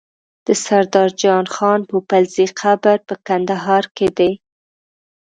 د سردار جان خان پوپلزی قبر په کندهار کی دی